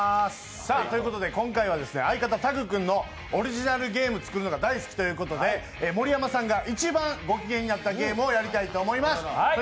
ということで今回は相方・タグ君がオリジナルゲームを作るのが大好きということで盛山さんが一番ごきげんになったゲームをやりたいと思います。